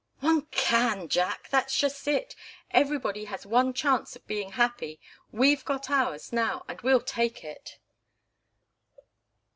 "One can, Jack! That's just it. Everybody has one chance of being happy. We've got ours now, and we'll take it."